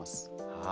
はい。